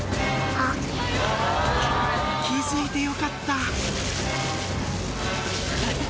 気付いてよかった